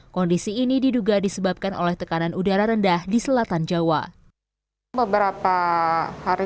kondisi ini diduga disebabkan oleh tekanan udara rendah di selatan jawa beberapa hari